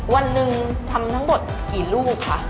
วันหนึ่งทำทั้งหมดกี่ลูกค่ะ